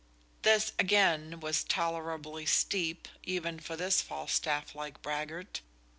This again was tolerably "steep" even for this Falstaff like braggart.